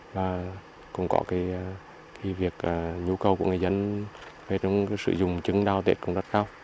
và cũng có việc nhu cầu của người dân sử dụng chứng đào tiệt cũng rất khó